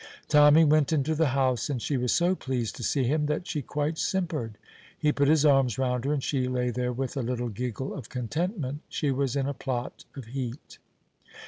Tommy went into the house, and she was so pleased to see him that she quite simpered. He put his arms round her, and she lay there with a little giggle of contentment. She was in a plot of heat.